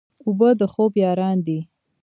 اوبه د خوب یاران دي.